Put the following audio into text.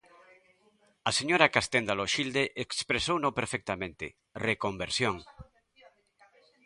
A señora Castenda Loxilde expresouno perfectamente: reconversión.